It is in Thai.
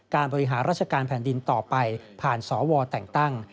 บริหารราชการแผ่นดินต่อไปผ่านสวแต่งตั้ง